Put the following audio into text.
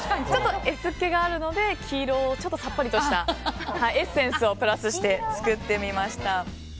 ちょっとＳっ気があるので黄色を、さっぱりとしたエッセンスをプラスして作ってみました。